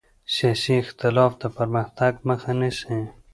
سیاسي اختلاف د پرمختګ مخه نه نیسي